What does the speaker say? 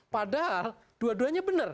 padahal dua duanya benar